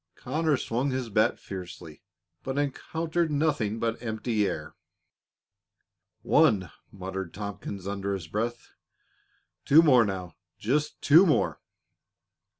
Conners swung his bat fiercely, but encountered nothing but empty air. "One!" muttered Tompkins, under his breath. "Two more, now just two more!"